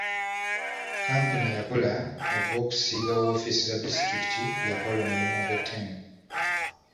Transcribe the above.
Kkampuni eyakola ogw'okusiiga woofiisi za disitulikiti yakola omulimu ogw'ettendo.